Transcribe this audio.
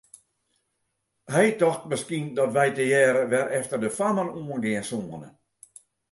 Hy tocht miskien dat wy tegearre wer efter de fammen oan gean soene.